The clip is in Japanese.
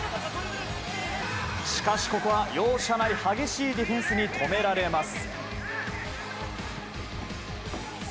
しかし、ここは容赦ない激しいディフェンスに止められます。